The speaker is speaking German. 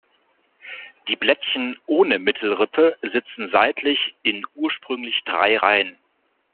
Die Blättchen ohne Mittelrippe sitzen seitlich in ursprünglich drei Reihen.